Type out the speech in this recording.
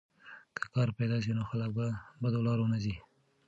که کار پیدا سي نو خلک په بدو لارو نه ځي.